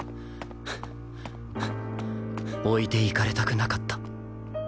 置いていかれたくなかった